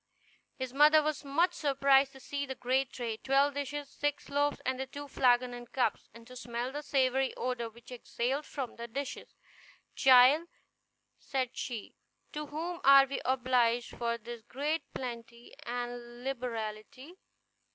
His mother was much surprised to see the great tray, twelve dishes, six loaves, the two flagons and cups, and to smell the savory odor which exhaled from the dishes. "Child," said she, "to whom are we obliged for this great plenty and liberality?